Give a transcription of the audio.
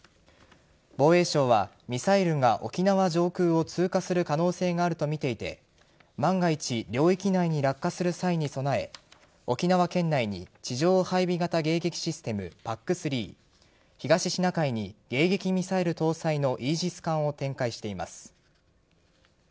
防衛省は、ミサイルが沖縄上空を通過する可能性があるとみていて万が一領域内に落下する際に備え沖縄県内に地上配備型迎撃システムＰＡＣ‐３東シナ海に迎撃ミサイル搭載のイージス艦を展開しています。